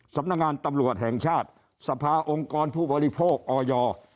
สำนักงานตำรวจแห่งชาติสภาองค์กรผู้บริโภคออย